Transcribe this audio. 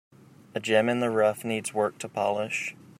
A gem in the rough needs work to polish.